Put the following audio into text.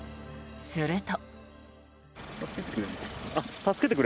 すると。